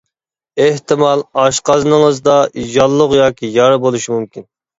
ئېھتىمال ئاشقازىنىڭىزدا ياللۇغ ياكى يارا بولۇشى مۇمكىن.